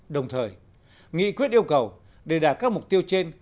đồng thời nghị quyết yêu cầu để đạt các mục tiêu trên